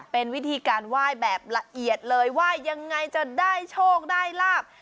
เป็นวิธีการไหว้แบบละเอียดเลยว่ายังไงจะได้โชคได้ลาบ